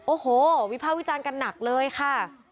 โอ้โหวิภาควิจารณ์กันหนักเลยค่ะ